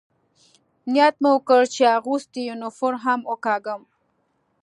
نیت مې وکړ، چې اغوستی یونیفورم هم وکاږم.